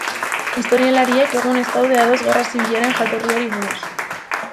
Historialariek egun ez daude ados gerra zibilaren jatorriari buruz.